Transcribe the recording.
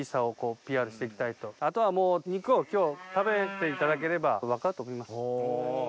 あとはもう肉を今日食べていただければ分かると思います。